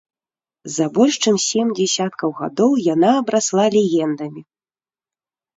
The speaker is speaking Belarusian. За больш чым сем дзесяткаў гадоў яна абрасла легендамі.